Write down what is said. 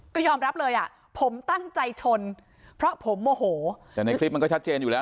ก็ยอมรับเลยอ่ะผมตั้งใจชนเพราะผมโมโหแต่ในคลิปมันก็ชัดเจนอยู่แล้ว